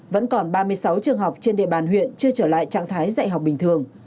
vẫn còn ba mươi sáu trường học trên địa bàn huyện chưa trở lại trạng thái dạy học bình thường